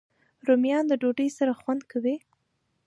رومیان د ډوډۍ سره خوند کوي